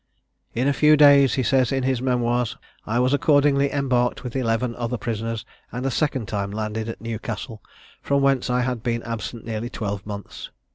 "In a few days," says he in his Memoirs, "I was accordingly embarked with eleven other prisoners, and a second time landed at Newcastle, from whence I had been absent nearly twelve months.